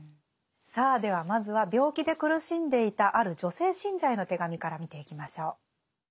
さあではまずは病気で苦しんでいたある女性信者への手紙から見ていきましょう。